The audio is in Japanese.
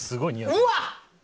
うわっ！